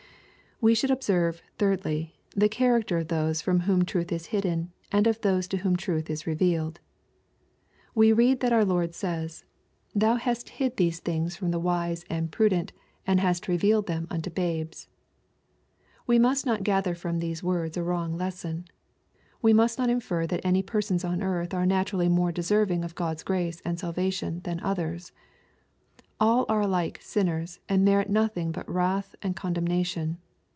We should observe, thirdly, the character cf those from whom truth is hidden, and of those to whom truth ia revealed. We read that our Lord says, ^^ Thou hast hid 866 EXPOSITORY THOUGHTS. these things from the wise and prudent and hast re pealed them unto babes." We must not gather from these words a wrong lesson. We must not infer that any persons on earth are naturally more deserving of God's grace and salvation than others. All are alike sinners, and merit nothing but wrath and condenmation.